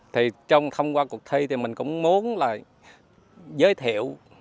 thì trong thông qua cuộc thi thì mình cũng muốn là giới thiệu